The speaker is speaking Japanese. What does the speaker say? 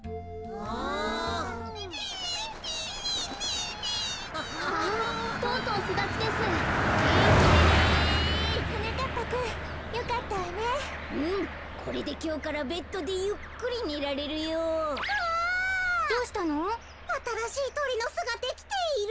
あたらしいトリのすができている。